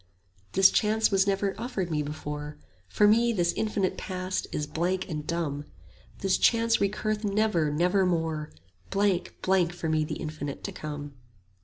This chance was never offered me before; For me this infinite Past is blank and dumb: This chance recurreth never, nevermore; Blank, blank for me the infinite To come.